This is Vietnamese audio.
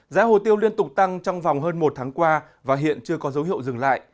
giá hồ tiêu liên tục tăng trong vòng hơn một tháng qua và hiện chưa có dấu hiệu dừng lại